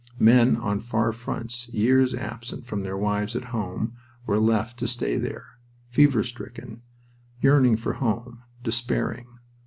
Men on far fronts, years absent from their wives and homes, were left to stay there, fever stricken, yearning for home, despairing.